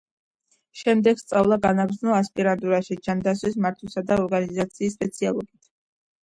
შემდეგ სწავლა განაგრძო ასპირანტურაში, ჯანდაცვის მართვისა და ორგანიზაციის სპეციალობით.